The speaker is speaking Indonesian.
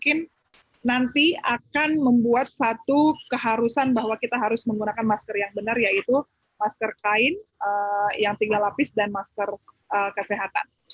itu keharusan bahwa kita harus menggunakan masker yang benar yaitu masker kain yang tiga lapis dan masker kesehatan